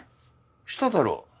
しただろ。